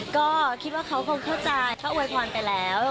ก็คิดว่าเขาคงเข้าใจเขาอวยพรไปแล้ว